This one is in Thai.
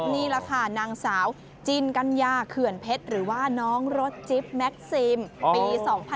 นี่แหละค่ะนางสาวจินกัญญาเขื่อนเพชรหรือว่าน้องรถจิ๊บแม็กซิมปี๒๕๖๒